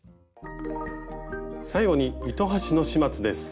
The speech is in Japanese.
最後に糸端の始末です。